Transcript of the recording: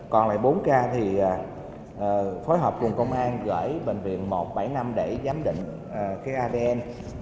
còn lại bốn ca thì phối hợp cùng công an gửi bệnh viện một trăm bảy mươi năm để giám định cái avn